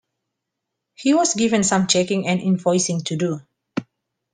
He was given some checking and invoicing to do.